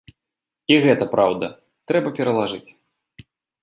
І гэта праўда, трэба пералажыць.